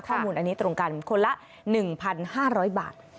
ข้อมูลอันนี้ตรงกันคนละ๑๕๐๐บาท